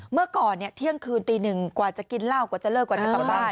เมื่อก่อนเที่ยงคืนตีหนึ่งกว่าจะกินเหล้ากว่าจะเลิกกว่าจะกลับบ้าน